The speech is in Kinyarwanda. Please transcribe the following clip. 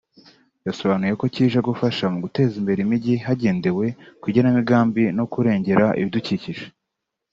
yasobanuye ko kije gufasha mu guteza imbere imijyi hagendewe ku igenamigambi no kurengera ibidukikije